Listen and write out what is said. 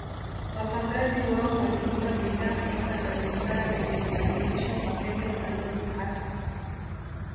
Wapagazi wao walibeba bidhaa kutoka Zanzibar zilizobadilishwa kwa pembe za ndovu hasa